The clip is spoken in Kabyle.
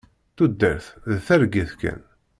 Tudert d targit kan.